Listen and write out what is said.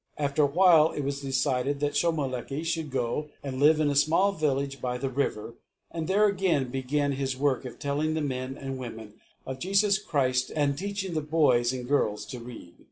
After a while it was decided that Shomolekae should go and live in a small village by the river, and there again begin his work of telling the men and women of Jesus Christ, and teaching the boys and girls to read.